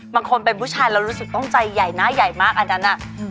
บางคนเป็นผู้ชายเรารู้สึกต้องใจใหญ่หน้าใหญ่มากอันนั้นน่ะ